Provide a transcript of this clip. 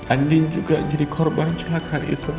andi juga jadi korban kecelakaan itu